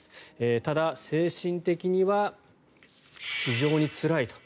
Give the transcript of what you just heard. ただ、精神的には非常につらいと。